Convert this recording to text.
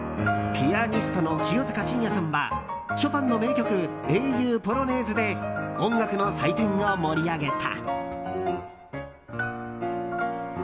ピアニストの清塚信也さんはショパンの名曲「英雄ポロネーズ」で音楽の祭典を盛り上げた。